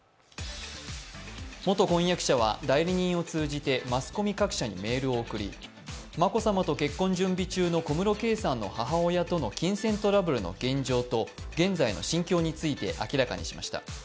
元婚約者は代理人を通じてマスコミ各社にメールを送り、眞子さまと結婚準備中の小室圭さんの母親との金銭トラブルの現状と現在の心境について明らかにしました。